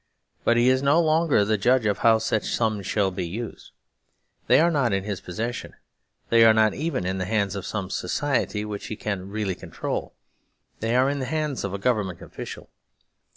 But he is no longer the judge of how such sums shall be used. They are not in his possession ; they are not even in the hands of some society which he can really control. They are in the hands of a Government official.